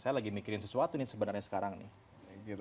saya lagi mikirin sesuatu nih sebenarnya sekarang nih